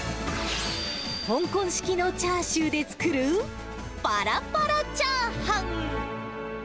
香港式のチャーシューで作るぱらぱらチャーハン。